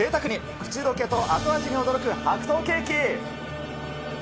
口溶けと後味に驚く白桃ケーキ。